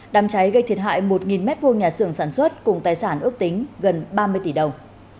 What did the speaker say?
đám cháy gây thiệt hại một m hai nhà xưởng sản xuất cùng tài sản ước tính gần ba mươi tỷ đồng